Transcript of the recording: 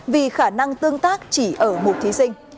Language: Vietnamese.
vì khả năng tương tác chỉ ở một thí sinh